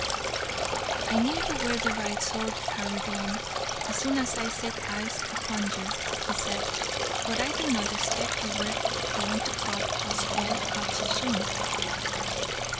"I knew you were the right sort, Harry Blunt, as soon as I set eyes upon you," he said; "but I did not expect you were going to cut us all out so soon."